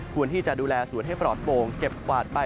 ที่จะดูแลสวนให้ปลอดโปร่งเก็บกวาดไป